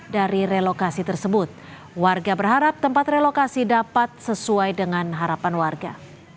dari relokasi tersebut warga berharap tempat relokasi dapat sesuai dengan harapan warga